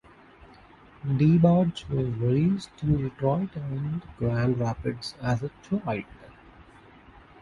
DeBarge was raised in Detroit and Grand Rapids as a child.